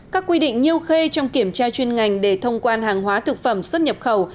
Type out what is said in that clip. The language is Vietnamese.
các quy định nhiêu khê trong kiểm tra chuyên ngành để thông quan hàng hóa thực phẩm xuất nhập khẩu